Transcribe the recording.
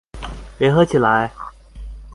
聯合起來！